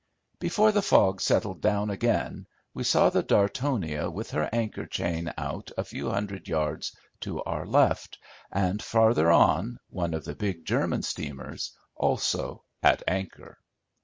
Before the fog settled down again we saw the Dartonia with her anchor chain out a few hundred yards to our left, and, farther on, one of the big German steamers, also at anchor.